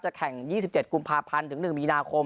แข่ง๒๗กุมภาพันธ์ถึง๑มีนาคม